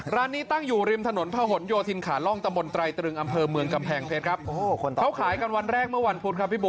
ร้านนี้ตั้งอยู่ริมถนนพหรษโยธินขาล่องตะมนต์ไตรึงอำเภอเมืองกำแผงเพศครับ